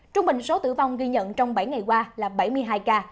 trung bình số tử vong ghi nhận trong bảy ngày qua là bảy mươi hai ca